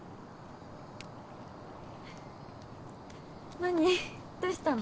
何どうしたの？